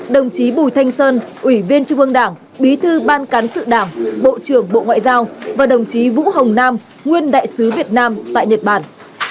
đồng chí bùi thanh sơn ủy viên trung ương đảng bí thư ban cán sự đảng bộ trưởng bộ ngoại giao và đồng chí vũ hồng nam nguyên đại sứ việt nam tại nhật bản